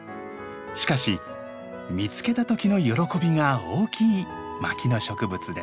しかし見つけたときの喜びが大きい牧野植物です。